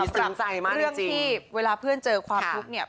สำหรับเรื่องที่เวลาเพื่อนเจอความลุกเนี่ย